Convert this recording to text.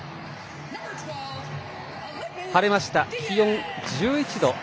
晴れました、気温１１度。